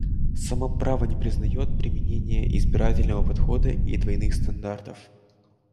Само право не признает применения избирательного подхода и двойных стандартов.